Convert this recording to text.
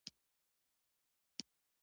تواب مخ پر گلابي ځمکه ولگېد او دروند شو.